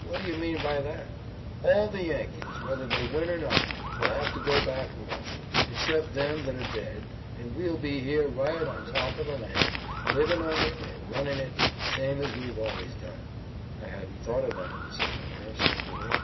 "What do you mean by that?" "All the Yankees, whether they win or not, will have to go back north, except them that are dead, an' we'll be here right on top of the lan', livin' on it, an' runnin' it, same as we've always done." "I hadn't thought of that," said Warner soberly.